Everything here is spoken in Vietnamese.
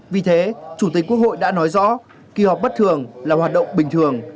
vì thế chủ tịch quốc hội đã nói rõ kỳ họp bất thường là hoạt động bình thường